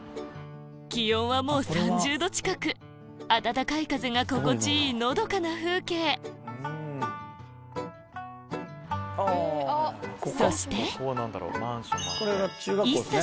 気温はもう３０℃近く暖かい風が心地いいのどかな風景そしてＩＳＳＡ